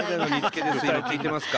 今聴いてますか。